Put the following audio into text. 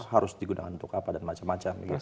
harus digunakan untuk apa dan macam macam